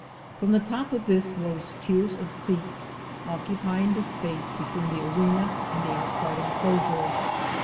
From the top of this rose tiers of seats, occupying the space between the arena and the outside enclosure.